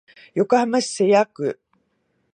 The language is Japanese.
横浜市瀬谷区